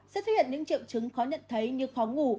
sẽ xuất hiện những triệu chứng khó nhận thấy như khó ngủ